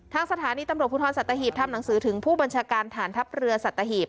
ทางสถานีตำรวจพุทธรสัตว์ตะหิตทำหนังสือถึงผู้บัญชาการทานทัพเรือสัตว์ตะหิต